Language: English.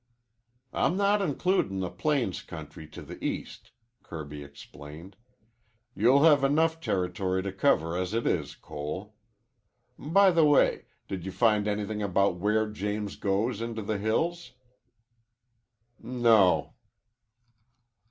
"I'm not includin' the plains country to the east," Kirby explained. "You'll have enough territory to cover as it is, Cole. By the way, did you find anything about where James goes into the hills?" "No."